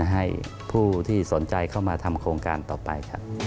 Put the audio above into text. ให้ผู้ที่สนใจเข้ามาทำโครงการต่อไปครับ